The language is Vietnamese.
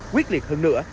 quyết liệt hơn nữa